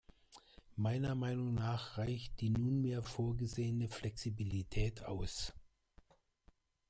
Meiner Meinung nach reicht die nunmehr vorgesehene Flexibilität aus.